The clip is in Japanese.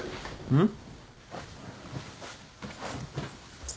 うん？